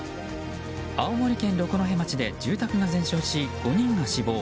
青森県六戸町で住宅が全焼し５人が死亡。